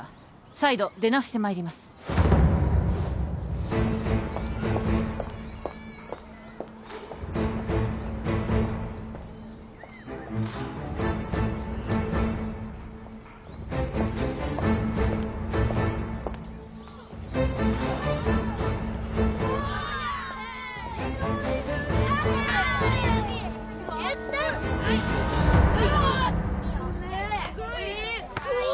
再度出直してまいりますおう